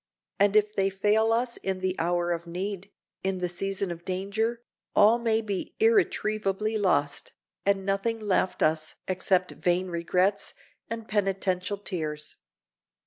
And if they fail us in the hour of need—in the season of danger—all may be irretrievably lost, and nothing left us except vain regrets and penitential tears.